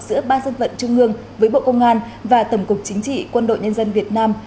giữa ban dân vận trung ương với bộ công an và tổng cục chính trị quân đội nhân dân việt nam